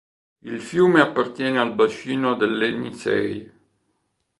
Il fiume appartiene al bacino dell'Enisej.